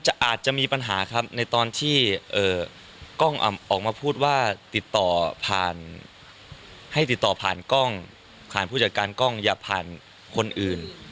คืออาจจะมีปัญหาครับในตอนที่กล้องออกมาพูดว่าติดต่อผ่านกล้องอย่าผ่านคนอื่น